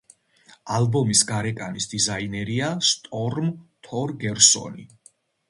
ალბომის გარეკანის დიზაინერია სტორმ თორგერსონი.